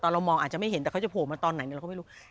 เรามองอาจจะไม่เห็นแต่เขาจะโผล่มาตอนไหนเราก็ไม่รู้